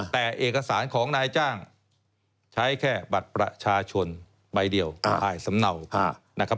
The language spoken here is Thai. แต่เอกสารของนายจ้างใช้แค่บัตรประชาชนใบเดียวภายสำเนานะครับ